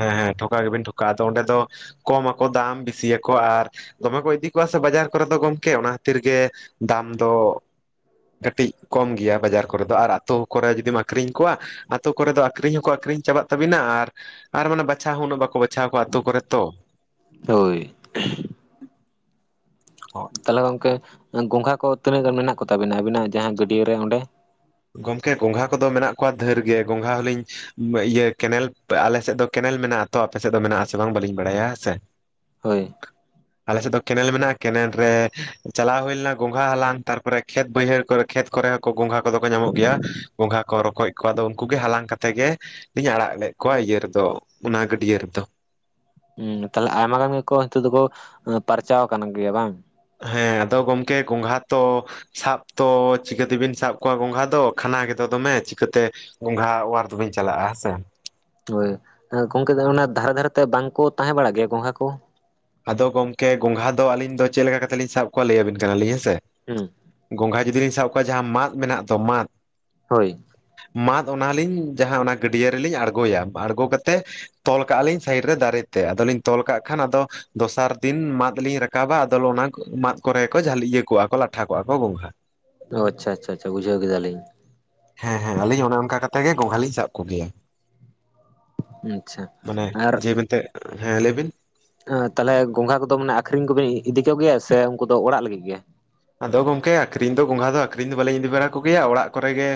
S1: ᱦᱮᱸ ᱦᱮᱸ ᱴᱷᱚᱠᱟ ᱜᱮᱵᱮᱱ ᱴᱷᱚᱠᱟᱜ-ᱟ ᱟᱫᱚ ᱚᱸᱰᱮ ᱫᱚ ᱠᱚᱢ ᱟᱠᱚ ᱫᱟᱢ ᱵᱤᱥᱤᱭᱟᱠᱚ ᱟᱨ ᱫᱚᱢᱮ ᱠᱚ ᱤᱫᱤ ᱠᱚᱣᱟ ᱥᱮ ᱵᱟᱡᱟᱨ ᱠᱚᱨᱮ ᱫᱚ ᱜᱚᱢᱠᱮ ᱚᱱᱟ ᱠᱷᱟᱹᱛᱤᱨ ᱜᱮ ᱫᱟᱢ ᱫᱚ ᱠᱟᱹᱴᱤᱡ ᱠᱚᱢ ᱜᱮᱭᱟ ᱵᱟᱡᱟᱨ ᱠᱚᱨᱮ ᱫᱚ ᱟᱨ ᱟᱹᱛᱩ ᱠᱚᱨᱮ ᱡᱩᱫᱤᱢ ᱟᱹᱠᱷᱨᱤᱧ ᱠᱚᱣᱟ ᱟᱹᱛᱩ ᱠᱚᱨᱮ ᱫᱚ ᱟᱹᱠᱷᱨᱤᱧ ᱦᱚᱸᱠᱚ ᱟᱹᱠᱷᱨᱤᱧ ᱪᱟᱵᱟᱜ ᱛᱟᱹᱵᱤᱱᱟ ᱟᱨ ᱟᱨ ᱢᱟᱱᱮ ᱵᱟᱪᱷᱟᱣ ᱦᱚᱸ ᱩᱱᱟᱹᱜ ᱵᱟᱠᱚ ᱵᱟᱪᱷᱟᱣ ᱠᱚᱣᱟ ᱟᱹᱛᱩ ᱠᱚᱨᱮᱜ ᱫᱚ
S2: ᱦᱳᱭ ᱛᱟᱦᱚᱞᱮ ᱜᱚᱝᱠᱮ ᱜᱚᱝᱜᱷᱟ ᱠᱚ ᱛᱤᱱᱟᱹᱜ ᱜᱟᱱ ᱢᱮᱱᱟᱜ ᱠᱚ ᱛᱟᱹᱵᱤᱱᱟ ᱟᱹᱵᱤᱱᱟᱜ ᱡᱟᱦᱟᱸ ᱜᱟᱹᱰᱭᱟᱹ ᱨᱮ ᱚᱸᱰᱮ
S1: ᱜᱚᱝᱠᱮ ᱜᱚᱝᱜᱷᱟ ᱠᱚᱫᱚ ᱢᱮᱱᱟᱜ ᱠᱚᱣᱟ ᱰᱮᱦᱮᱨ ᱜᱮ ᱜᱚᱝᱜᱷᱟ ᱦᱚᱞᱤᱧ ᱤᱭᱟᱹ ᱠᱮᱱᱮᱞ ᱟᱞᱮ ᱥᱮᱫ ᱫᱚ ᱠᱮᱱᱮᱞ ᱢᱮᱱᱟᱜ ᱛᱚ ᱟᱯᱮ ᱥᱮᱫ ᱫᱚ ᱢᱮᱱᱟᱜ ᱟᱥᱮ ᱵᱟᱝ ᱵᱟᱹᱞᱤᱧ ᱵᱟᱲᱟᱭᱟ ᱦᱮᱸ ᱥᱮ
S2: ᱦᱳᱭ
S1: ᱟᱞᱮ ᱥᱮᱫ ᱫᱚ ᱠᱮᱱᱮᱞ ᱢᱮᱱᱟᱜᱼᱟ ᱠᱮᱱᱮᱞ ᱨᱮ ᱪᱟᱞᱟᱣ ᱦᱩᱭ ᱞᱮᱱᱟ ᱜᱚᱝᱜᱷᱟ ᱦᱟᱞᱟᱝ ᱛᱟᱨᱯᱚᱨᱮ ᱠᱷᱮᱛ ᱵᱟᱹᱭᱦᱟᱹᱲ ᱠᱚᱨᱮ ᱠᱷᱮᱛ ᱠᱚᱨᱮ ᱦᱚᱸ ᱠᱚ ᱜᱚᱝᱜᱷᱟ ᱠᱚᱫᱚ ᱠᱚ ᱧᱟᱢᱚᱜ ᱜᱮᱭᱟ ᱜᱚᱝᱜᱷᱟ ᱠᱚ ᱨᱚᱠᱚᱡ ᱠᱚ ᱟᱫᱚ ᱩᱱᱠᱩ ᱜᱮ ᱦᱟᱞᱟᱝ ᱠᱟᱛᱮ ᱜᱮ ᱞᱤᱧ ᱟᱲᱟᱜ ᱞᱮᱫ ᱠᱚᱣᱟ ᱤᱭᱟᱹ ᱨᱮᱫᱚ ᱚᱱᱟ ᱜᱟᱹᱰᱭᱟᱹ ᱨᱮᱫᱚ
S2: ᱦᱮᱸ ᱛᱟᱦᱚᱞᱮ ᱟᱭᱢᱟ ᱜᱟᱱ ᱜᱮᱠᱚ ᱱᱤᱛᱚᱜ ᱫᱚᱠᱚ ᱯᱟᱨᱪᱟᱣ ᱟᱠᱟᱱ ᱜᱮᱭᱟ ᱵᱟᱝ
S1: ᱦᱮᱸ ᱟᱫᱚ ᱜᱚᱢᱠᱮ ᱜᱚᱝᱜᱷᱟ ᱛᱚ ᱥᱟᱵ ᱛᱚ ᱪᱤᱠᱟᱹ ᱛᱮᱵᱤᱱ ᱥᱟᱵ ᱠᱚᱣᱟ ᱜᱚᱝᱜᱷᱟ ᱫᱚ ᱠᱷᱟᱱᱟ ᱜᱮᱫᱚ ᱫᱚᱢᱮ ᱪᱤᱠᱟᱹᱛᱮ ᱜᱚᱝᱜᱷᱟ ᱳᱣᱟᱨ ᱫᱚᱵᱤᱱ ᱪᱟᱞᱟᱜᱼᱟ ᱦᱮᱸᱥᱮ
S2: ᱦᱳᱭ ᱜᱚᱢᱠᱮ ᱚᱱᱟ ᱫᱷᱟᱨᱮ ᱫᱷᱟᱨᱮ ᱛᱮ ᱵᱟᱝ ᱠᱚ ᱛᱟᱦᱮᱸ ᱵᱟᱲᱟᱜ ᱜᱮᱭᱟ ᱜᱚᱝᱜᱷᱟ ᱠᱚ
S1: ᱟᱫᱚ ᱜᱚᱝᱠᱮ ᱜᱚᱝᱜᱷᱟ ᱫᱚ ᱟᱹᱞᱤᱧ ᱫᱚ ᱪᱮᱫ ᱞᱮᱠᱟ ᱠᱟᱛᱮ ᱞᱤᱧ ᱥᱟᱵ ᱠᱚᱣᱟ ᱞᱟᱹᱭ ᱟᱹᱵᱤᱱ ᱠᱟᱱᱟᱞᱤᱧ ᱦᱮᱸ ᱥᱮ
S2: ᱦᱩᱸ
S1: ᱜᱚᱝᱜᱷᱟ ᱡᱩᱫᱤ ᱵᱤᱱ ᱥᱟᱵ ᱠᱚᱣᱟ ᱡᱟᱦᱟᱸ ᱢᱟᱫ ᱢᱮᱱᱟᱜ ᱫᱚ ᱢᱟᱫ
S2: ᱦᱳᱭ
S1: ᱢᱟᱫ ᱚᱱᱟ ᱞᱤᱧ ᱡᱟᱦᱟᱸ ᱚᱱᱟ ᱜᱟᱹᱰᱭᱟᱹ ᱨᱮᱞᱤᱧ ᱟᱬᱜᱚᱭᱟ ᱟᱬᱜᱚ ᱠᱟᱛᱮᱫ ᱛᱚᱞ ᱠᱟᱜᱼᱟ ᱞᱤᱧ ᱥᱟᱭᱤᱰ ᱨᱮ ᱫᱟᱨᱮ ᱨᱮ ᱟᱫᱚ ᱞᱤᱧ ᱛᱚᱞ ᱠᱟᱜ ᱠᱷᱟᱱ ᱟᱫᱚ ᱫᱚᱥᱟᱨ ᱫᱤᱱ ᱢᱟᱫ ᱞᱤᱧ ᱨᱟᱠᱟᱵᱟ ᱟᱫᱚ ᱚᱱᱟ ᱢᱟᱫ ᱠᱚᱨᱮ ᱠᱚ ᱜᱮ ᱡᱷᱟᱹᱞᱤ ᱤᱭᱟᱹ ᱠᱚᱜᱼᱟ ᱠᱚ ᱞᱟᱴᱷᱟ ᱠᱚᱜᱼᱟ ᱠᱚ ᱜᱚᱝᱜᱷᱟ
S2: ᱚ ᱟᱪᱪᱷᱟ ᱟᱪᱪᱷᱟ ᱟᱪᱪᱷᱟ ᱵᱩᱡᱷᱟᱹᱣ ᱠᱮᱫᱟ ᱞᱤᱧ
S1: ᱦᱮᱸ ᱦᱮᱸ ᱟᱹᱞᱤᱧ ᱚᱱᱮ ᱚᱱᱠᱟ ᱠᱟᱛᱮᱜ ᱜᱮ ᱜᱚᱝᱜᱷᱟ ᱞᱤᱧ ᱥᱟᱵ ᱠᱚᱜᱮᱭᱟ
S2: ᱟᱪᱪᱷᱟ
S1: ᱢᱟᱱᱮ ᱡᱮ ᱢᱮᱱᱛᱮ ᱦᱮᱸ ᱞᱟᱹᱭ ᱵᱤᱱ
S2: ᱦᱮᱸ ᱛᱟᱦᱚᱞᱮ ᱜᱚᱝᱜᱷᱟ ᱠᱚᱫᱚ ᱢᱟᱱᱮ ᱟᱹᱠᱷᱨᱤᱧ ᱠᱚᱵᱤᱱ ᱤᱫᱤ ᱠᱚᱜᱮᱭᱟ ᱥᱮ ᱩᱱᱠᱩ ᱫᱚ ᱚᱲᱟᱜ ᱞᱟᱹᱜᱤᱫ ᱜᱮ
S1: ᱟᱫᱚ ᱜᱚᱝᱠᱮ ᱟᱹᱠᱷᱨᱤᱧ ᱫᱚ ᱜᱚᱝᱜᱷᱟ ᱫᱚ ᱟᱹᱠᱷᱨᱤᱧ ᱫᱚ ᱵᱟᱹᱞᱤᱧ ᱤᱫᱤ ᱵᱟᱲᱟ ᱠᱚᱜᱮᱭᱟ ᱚᱲᱟᱜ ᱠᱚᱨᱮ ᱜᱮ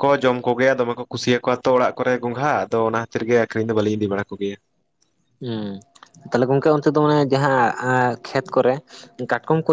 S1: ᱠᱚ ᱡᱚᱢ ᱠᱚᱜᱮᱭᱟ ᱫᱚᱢᱮ ᱠᱚ ᱠᱩᱥᱤᱭᱟᱠᱚᱣᱟ ᱛᱚ ᱚᱲᱟᱜ ᱠᱚᱨᱮ ᱜᱚᱝᱜᱷᱟ ᱟᱫᱚ ᱚᱱᱟ ᱠᱷᱟᱹᱛᱤᱨ ᱜᱮ ᱟᱹᱠᱷᱨᱤᱧ ᱫᱚ ᱵᱟᱹᱞᱤᱧ ᱤᱫᱤ ᱵᱟᱲᱟ ᱠᱚᱜᱮᱭᱟ
S2: ᱦᱮᱸ ᱛᱟᱦᱞᱮ ᱜᱚᱝᱠᱮ ᱚᱱᱛᱮ ᱫᱚ ᱢᱟᱱᱮ ᱡᱟᱦᱟᱸ ᱠᱷᱮᱛ ᱠᱚᱨᱮ ᱠᱟᱴᱠᱚᱢ ᱠᱚ